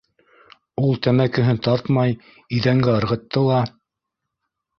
Ул тәмәкеһен тартмай иҙәнгә ырғытты ла: